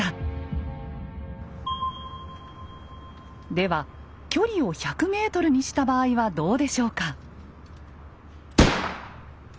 では距離を１００ｍにした場合はどうでしょうか？